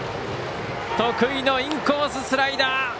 得意のインコース、スライダー。